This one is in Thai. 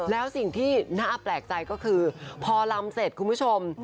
แล้วสิ่งที่น่าแปลกใจก็คือพอลำเสร็จคุณผู้ชม